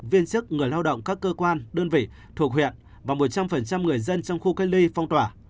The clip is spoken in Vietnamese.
nhân sức người lao động các cơ quan đơn vị thuộc huyện và một trăm linh người dân trong khu cây ly phong tỏa